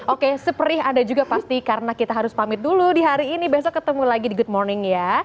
oke seperih anda juga pasti karena kita harus pamit dulu di hari ini besok ketemu lagi di good morning ya